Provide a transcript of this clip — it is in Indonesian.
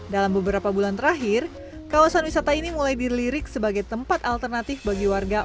dalam beberapa bulan terakhir kawasan wisata ini mulai dilirik sebagai tempat alternatif bagi warga